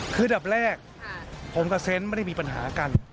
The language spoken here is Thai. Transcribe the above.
คืออันดับแรกผมกับเซนต์ไม่ได้มีปัญหากัน